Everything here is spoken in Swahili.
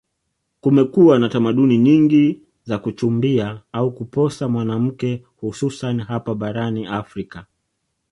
kumekuwa na tamaduni nyingi za kuchumbia au kuposa mwanamke hususani hapa barani afrika